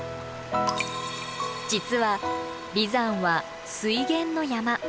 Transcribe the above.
実は眉山は水源の山。